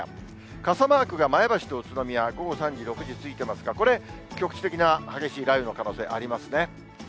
傘マークが前橋と宇都宮、午後３時、６時、ついていますが、これ、局地的な激しい雷雨の可能性ありますね。